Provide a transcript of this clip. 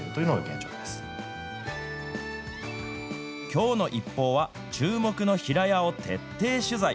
きょうのＩＰＰＯＵは、注目の平屋を徹底取材。